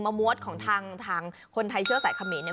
มะมวดของทางคนไทยเชื่อสายเขมร